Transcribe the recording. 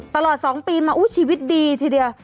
ตลอด๒ปีมาชีวิตดีทีเดียว